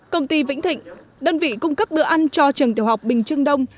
công ty vĩnh thịnh đơn vị cung cấp bữa ăn cho trường tiểu học bình trưng đông